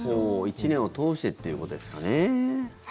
１年を通してっていうことですかね。